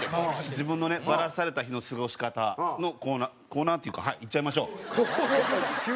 自分のねバラされた日の過ごし方のコーナーコーナーっていうかはいいっちゃいましょう。